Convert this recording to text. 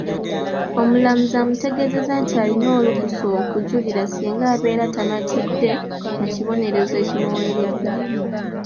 Omulamuzi amutegeezezza nti alina olukusa okujulira singa abeera tamatidde na kibonerezo ekimuweereddwa.